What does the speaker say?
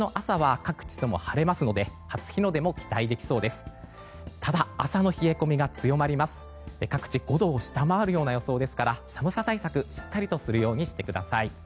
各地５度を下回る予想ですから寒さ対策をするようにしてください。